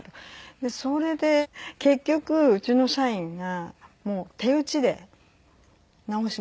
それで結局うちの社員がもう手打ちで直しました。